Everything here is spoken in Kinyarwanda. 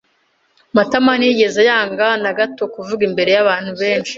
Matama ntiyigeze yanga na gato kuvuga imbere y'abantu benshi.